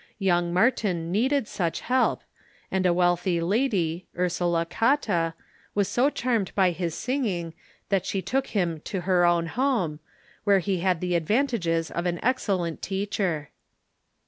Young Martin needed such help, and a Avealthy lady, Ursula Cotta, was so charmed by his singing that she took iiim to her own home, where he had the advantages of an excellent teacher.